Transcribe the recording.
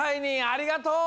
ありがとう！